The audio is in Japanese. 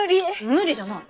無理じゃない。